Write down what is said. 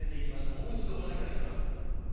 もう一度ご覧いただきます。